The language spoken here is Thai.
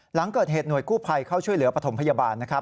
หลังเกิดเหตุหน่วยกู้ภัยเข้าช่วยเหลือปฐมพยาบาลนะครับ